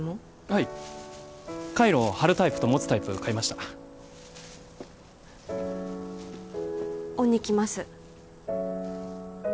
はいカイロ貼るタイプと持つタイプ買いました恩に着ます